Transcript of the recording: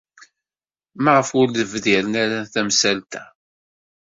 Maɣef ur d-bdiren ara tamsalt-a?